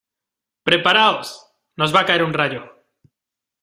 ¡ preparaos! nos va a caer un rayo.